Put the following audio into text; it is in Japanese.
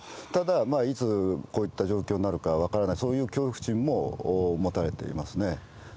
ただ、いつこういった状況になるか分からない、そういう恐怖心も持たれていますね。